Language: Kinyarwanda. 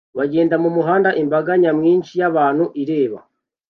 bagenda mumuhanda imbaga nyamwinshi y'abantu ireba